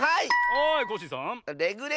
はいコッシーさん。